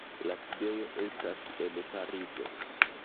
La sidejo estas en Parizo.